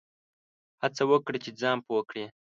هڅه وکړه چي ځان پوه کړې !